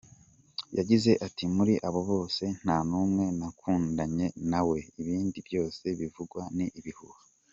Yagize ati “ muri aba bose ntanumwe nakundanye nawe ibindi byose bivugwa n’ ibihuha “.